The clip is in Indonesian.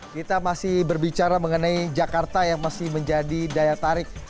kita masih berbicara mengenai jakarta yang masih menjadi daya tarik